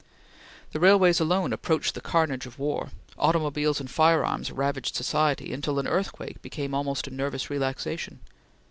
The railways alone approached the carnage of war; automobiles and fire arms ravaged society, until an earthquake became almost a nervous relaxation.